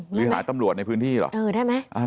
หรือหาตำรวจในพื้นที่เหรอได้ไหม